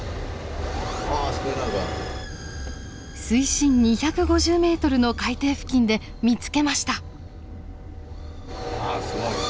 水深２５０ｍの海底付近で見つけました。